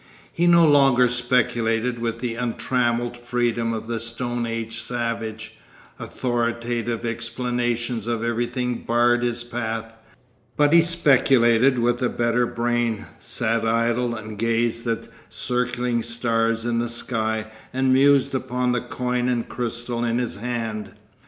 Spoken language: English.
He no longer speculated with the untrammelled freedom of the stone age savage; authoritative explanations of everything barred his path; but he speculated with a better brain, sat idle and gazed at circling stars in the sky and mused upon the coin and crystal in his hand.